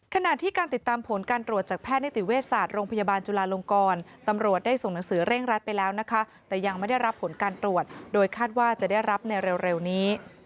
ขณะที่การติดตามผลการตรวจจากแพทย์นิติเวชศาสตร์โรงพยาบาลจุลาลงกรตำรวจได้ส่งหนังสือเร่งรัดไปแล้วนะคะแต่ยังไม่ได้รับผลการตรวจโดยคาดว่าจะได้รับในเร็วนี้